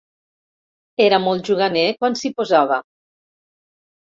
Era molt juganer, quan s'hi posava.